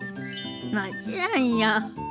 もちろんよ。